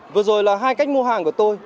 vừa rồi là hai cách mua hàng của tôi